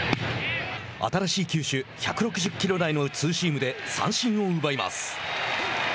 新しい球種、１６０キロ台のツーシームで三振を奪います。